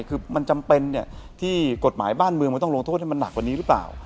คือมันจำเป็นที่กฎหมายบ้านเมืองมันต้องลงโทษให้มันหนักกว่านี้หรือเปล่า